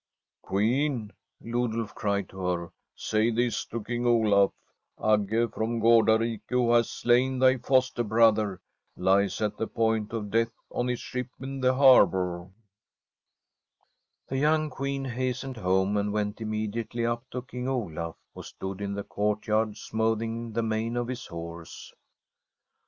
* Queen,' Lodulf cried to her, * say this to King Olaf: "Agge from Gardarike, who has [ao3l From a SWEDISH HOMESTEAD slain thy foster brother, lies at the point of death on his ship in the harbour/' ' The young Queen hastened home and went immediately up to King Olaf, who stood in the courtyard smoothing the mane of his horse.